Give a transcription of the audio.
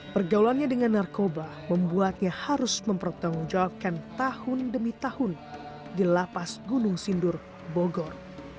pergaulannya dengan narkoba membuatnya harus mempertanggungjawabkan tahun demi tahun di lapas gunung sindur bogor